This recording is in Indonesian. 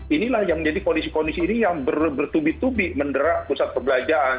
inilah yang menjadi kondisi kondisi ini yang bertubi tubi menderak pusat perbelanjaan